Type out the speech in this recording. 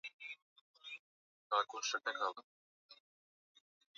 kushikilia kwa usahihi ufunuo wa Mungu ni suala la wokovu wa milele